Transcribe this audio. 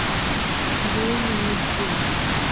দুই মিনিট দিলাম।